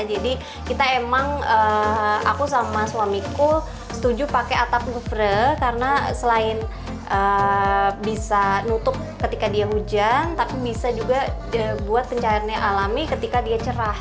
jadi kita emang aku sama suamiku setuju pakai atap ngevre karena selain bisa nutup ketika dia hujan tapi bisa juga buat pencahayaan alami ketika dia cerah